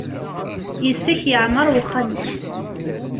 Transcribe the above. Yes-k yeɛmer uxxam-iw.